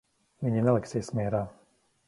Viņi neliksies mierā.